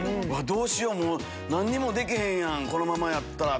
どうしよう何もできへんやんこのままやったら。